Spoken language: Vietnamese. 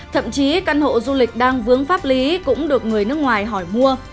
thậm chí căn hộ du lịch đang vướng pháp lý cũng được người nước ngoài hỏi mua